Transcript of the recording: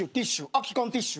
空き缶ティッシュ